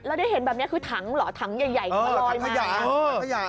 แล้วได้เห็นแบบนี้คือถังเหรอถังใหญ่มาลอยขยะ